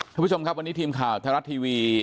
ท่านผู้ชมครับวันนี้ทีมข่าวไทยรัฐทีวี